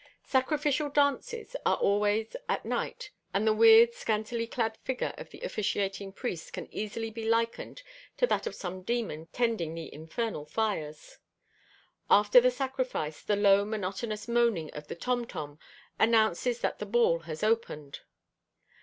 Sacrificial dances are always at night and the weird, scantily clad figure of the officiating priest can easily be likened to that of some demon tending the infernal fires. After the sacrifice, the low monotonous moaning of the tom tom announces that the ball has opened.